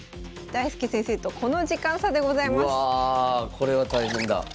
これは大変だ。